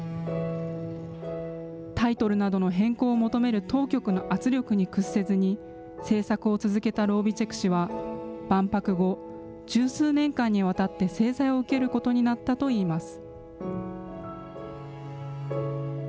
タイトルなどの変更を求める当局の圧力に屈せずに、制作を続けたロゥビチェク氏は、万博後、十数年間にわたって制裁を受けることになったといいます。